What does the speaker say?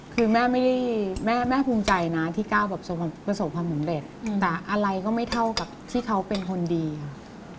คือแม่ไม่ได้แม่ภูมิใจนะที่ก้าวแบบประสบความสำเร็จแต่อะไรก็ไม่เท่ากับที่เขาเป็นคนดีค่ะ